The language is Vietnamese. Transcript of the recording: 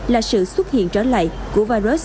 bệnh viện trở lại của virus ov bảy mươi một